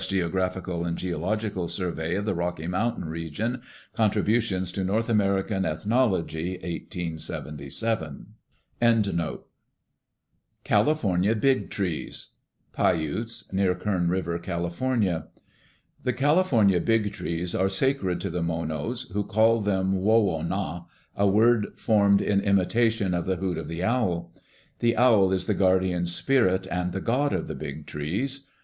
Geographical and Geological Survey of the Rocky Mountain region: Contributions to North American Ethnology, 1877.) California Big Trees Pai Utes (near Kern River, Cal.) The California big trees are sacred to the Monos, who call them "woh woh nau," a word formed in imitation of the hoot of the owl. The owl is the guardian spirit and the god of the big trees.